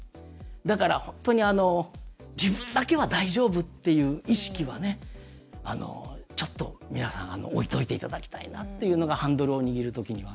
だから、本当に自分だけは大丈夫っていう意識は、ちょっと皆さん置いといていただきたいなというのがハンドルを握るときには。